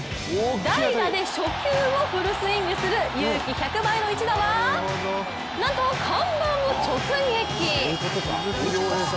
代打で初球をフルスイングする勇気１００倍の一打はなんと、看板を直撃。